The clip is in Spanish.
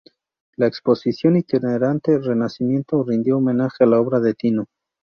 La exposición itinerante "Renacimiento" rindió homenaje a la obra de Tino.